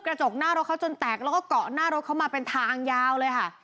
กระจกหน้ารถเขาจนแตกแล้วก็เกาะหน้ารถเขามาเป็นทางยาวเลยค่ะ